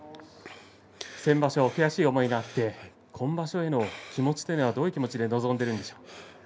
先場所悔しい思いがあって今場所への気持ちというのはどういう気持ちで臨んでるんですか。